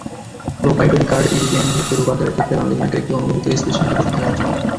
Proprietary card ইএমভিতে রূপান্তরের ক্ষেত্রে বাংলাদেশ ব্যাংকের একটি অনুমোদিত স্পেসিফিকেশন থাকা বাঞ্ছনীয়।